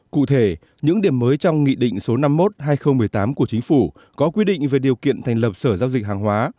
cụ thể những điểm mới trong nghị định số năm mươi một hai nghìn một mươi tám của chính phủ có quy định về điều kiện thành lập sở giao dịch hàng hóa